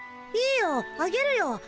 いいよあげるよ。